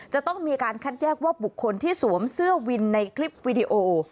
จะต้องมีการคัดแยกว่าบุคคลที่สวมเสื้อวินในคลิปวิดีโอ